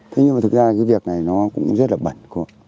thế nhưng mà thực ra cái việc này nó cũng rất là bẩn